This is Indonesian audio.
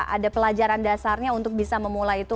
ada pelajaran dasarnya untuk bisa memulai itu